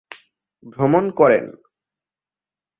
ভ্রমণ করেন।